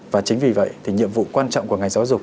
và chính vì vậy thì nhiệm vụ quan trọng của ngành giáo dục